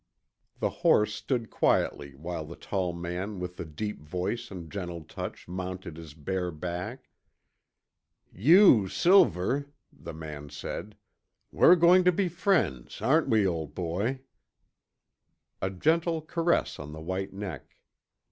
The horse stood quietly while the tall man with the deep voice and gentle touch mounted his bare back. "You, Silver " the man said, " we're going to be friends, aren't we, old boy?" A gentle caress on the white neck.